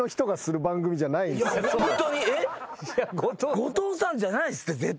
後藤さんじゃないっす絶対。